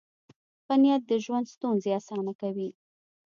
ښه نیت د ژوند ستونزې اسانه کوي.